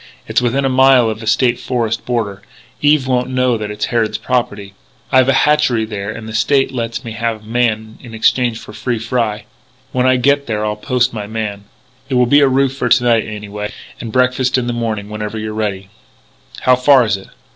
It's within a mile of the State Forest border. Eve won't know that it's Harrod property. I've a hatchery there and the State lets me have a man in exchange for free fry. When I get there I'll post my man.... It will be a roof for to night, anyway, and breakfast in the morning, whenever you're ready." "How far is it?"